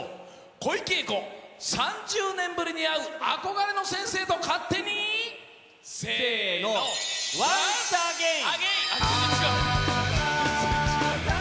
小池栄子、３０年ぶりに会う憧れの先生と勝手に、せーの、ワンスアゲイン。